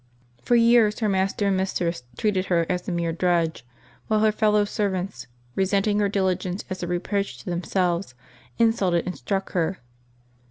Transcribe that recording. For years her mas ter and mistress treated her as a mere drudge, while her fellow servants, resenting her diligence as a reproach to themselves, insulted and struck her.